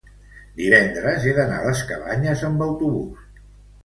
divendres he d'anar a les Cabanyes amb autobús.